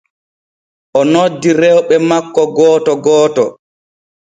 O noddi rewɓe makko gooto gooto.